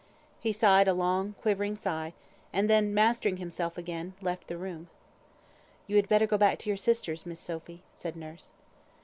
He sighed a long quivering sigh. And then mastering himself again, he left the room. "You had better go back to your sisters, Miss Sophy," said nurse.